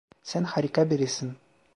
Sen harika birisin.